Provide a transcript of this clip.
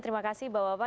terima kasih bapak bapak